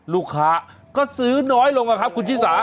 ลูกค้าก็ซื้อน้อยลงนะครับคุณชิสา